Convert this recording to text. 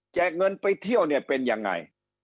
เงินไปเที่ยวเนี่ยเป็นยังไง